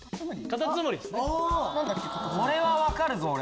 これは分かるぞ俺。